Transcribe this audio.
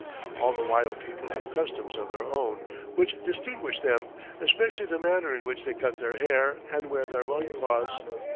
All the wild people have customs of their own, which distinguish them, especially the manner in which they cut their hair and wear their loin cloths.